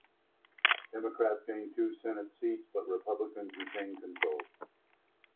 Democrats gained two Senate seats but Republicans retained control.